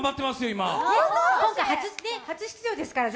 今回初出場ですからね